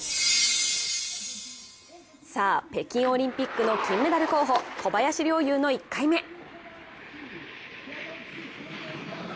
さあ、北京オリンピックの金メダル候補、小林陵侑の１回目。